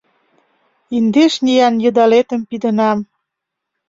Индеш ниян йыдалетым пидынам